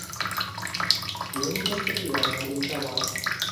Ён у нас сацыяльна арыентаваны.